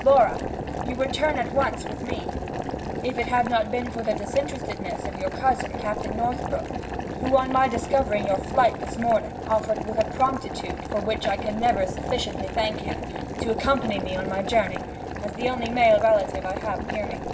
Laura, you return at once with me. I should not have arrived, after all, early enough to deliver you, if it had not been for the disinterestedness of your cousin, Captain Northbrook, who, on my discovering your flight this morning, offered with a promptitude for which I can never sufficiently thank him, to accompany me on my journey, as the only male relative I have near me.